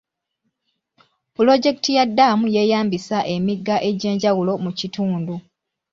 Pulojekiti ya ddaamu yeeyambisa emigga egy'enjawulo mu kitundu.